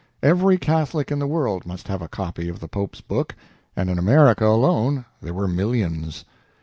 Every Catholic in the world must have a copy of the Pope's book, and in America alone there were millions.